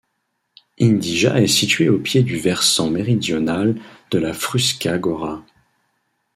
Inđija est située au pied du versant méridional de la Fruška gora.